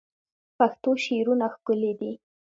پښتو شعرونه ښکلي دي